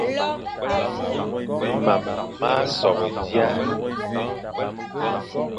Mam ma sobe dia,